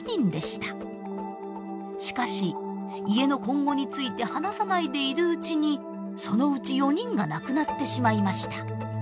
しかし家の今後について話さないでいるうちにそのうち４人が亡くなってしまいました。